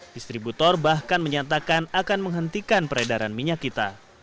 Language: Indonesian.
distributor bahkan menyatakan akan menghentikan peredaran minyak kita